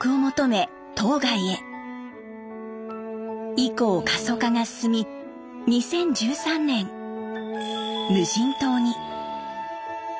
以降過疎化が進み２０１３年無人島に。